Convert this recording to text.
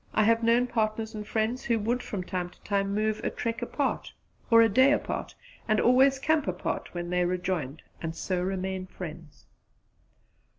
I have known partners and friends who would from time to time move a trek apart, or a day apart, and always camp apart when they rejoined; and so remain friends.